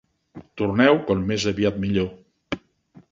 Torneu com més aviat millor.